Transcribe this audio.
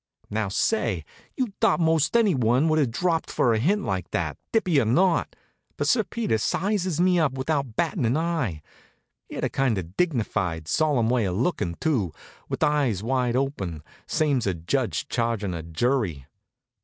Now say, you'd thought most anyone would have dropped for a hint like that, dippy or not. But Sir Peter sizes me up without battin' an eye. He had a kind of dignified, solemn way of lookin', too, with eyes wide open, same's a judge chargin' a jury.